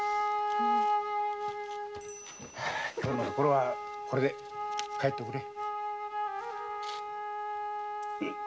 今日のところはこれで帰っておくれ。